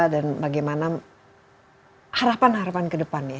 dan bagaimana harapan harapan ke depan ya